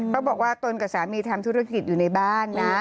บอกว่าตนกับสามีทำธุรกิจอยู่ในบ้านนะ